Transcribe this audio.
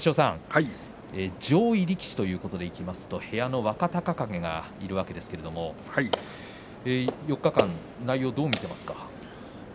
上位力士ということでいきますと部屋の若隆景がいるわけですけれど４日間どう見ていますか？